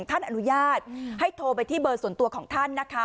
ท่านอนุญาตให้โทรไปที่เบอร์ส่วนตัวของท่านนะคะ